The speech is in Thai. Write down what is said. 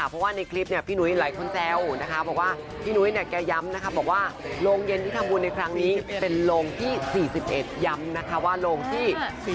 เพราะว่าในคลิปผิหนุยหลายคนแซวประวัติว่าจะย้ำบัวว่าโรงเย็นที่ทำบุญในครั้งนี้มีภูมิที่๔๑